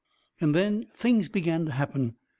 And then things began to happen.